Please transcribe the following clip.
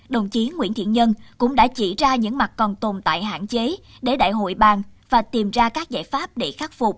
đồng chí nguyễn thiện nhân cũng đã chỉ ra những mặt còn tồn tại hạn chế để đại hội bàn và tìm ra các giải pháp để khắc phục